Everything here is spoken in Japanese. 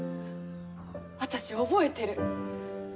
私覚えてる。